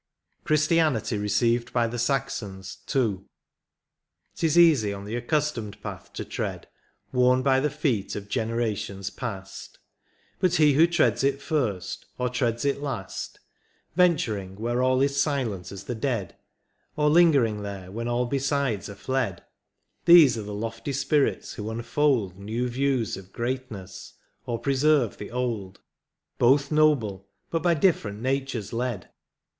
CHRISTIANITY RECEIVED BY THE SAXONS. — II. 'T IS easy on the accustomed path to tread, Worn by the feet of generations past ; But he who treads it first, or treads it last, Venturing where all is silent as the dead — Or lingering there when all besides are fled — These are the lofty spirits who unfold New views of greatness, or preserve the old. Both noble, but by different natures led.